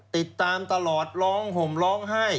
ติดตามตลอดร้องห่มร้องไห้